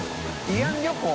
慰安旅行？